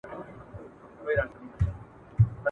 انسان جوړ سو نور تر هر مخلوق وو ښکلی !.